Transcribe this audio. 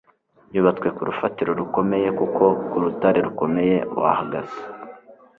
yubatswe ku rufatiro rukomeye, kuko ku rutare rukomeye wahagaze